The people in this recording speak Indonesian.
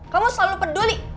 kamu selalu peduli